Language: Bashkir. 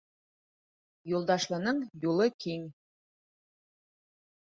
Юлдашлының юлы киң.